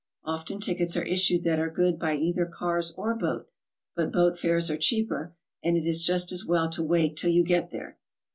Often tickets are issued that are good by either cars or boat, but boat fares are cheaper, and it is just as well to wait till you get there.